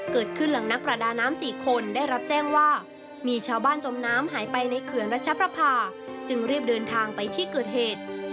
เกิดขึ้นหลังนักประดาน้ำ๔คนได้รับแจ้งว่ามีชาวบ้านจมน้ำหายไปในเขื่อนรัชประพาจึงรีบเดินทางไปที่เกิดเหตุ